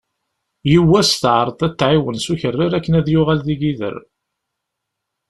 Yiwwas teεreḍ ad t-tεiwen s ukerrer akken ad yuɣal d igider.